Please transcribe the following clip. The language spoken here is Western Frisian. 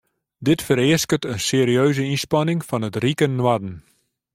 Dit fereasket in serieuze ynspanning fan it rike noarden.